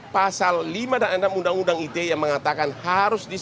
pasal lima dan enam undang undang ite yang mengatakan harus diselesa